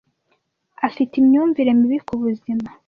Afite imyumvire mibi ku buzima.